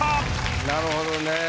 なるほどね。